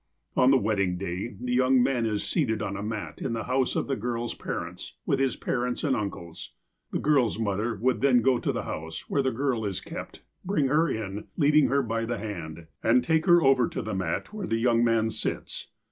On the wedding day, the young man is seated on a mat in the house of the girl's parents, with his parents and uncles. The girl's mother would then go to the house, where the girl is kept, bring her in, leading her by the hand, and take her over to the mat where the young man sits.